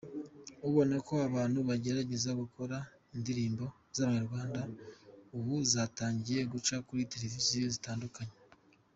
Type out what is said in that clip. "Ubona ko abantu bagerageza gukora, indirimbo z’Abanyarwanda ubu zatangiye guca kuri televiziyo zitandukanye.